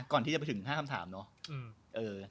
ก่อนที่จะไปถึง๕คำถามเนอะ